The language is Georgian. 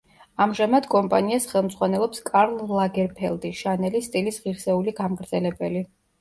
ამჟამად კომპანიას ხელმძღვანელობს კარლ ლაგერფელდი, შანელის სტილის ღირსეული გამგრძელებელი.